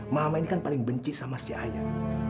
mama ini kan paling benci sama si ayah